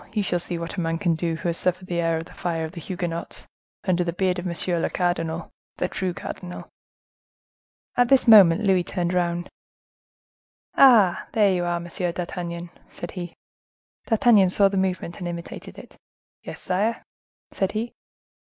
you shall see what a man can do who has suffered the air of the fire of the Huguenots, under the beard of monsieur le cardinal—the true cardinal." At this moment Louis turned round. "Ah! are you there, Monsieur d'Artagnan?" said he. D'Artagnan saw the movement and imitated it. "Yes, sire," said he.